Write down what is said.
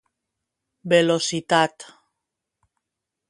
Velocitat.